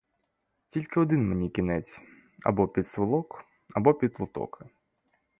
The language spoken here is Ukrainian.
Тільки один мені кінець: або під сволок, або під лотоки.